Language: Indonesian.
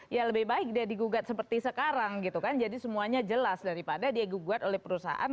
ya lebih baik dia digugat seperti sekarang gitu kan jadi semuanya jelas daripada dia digugat oleh perusahaan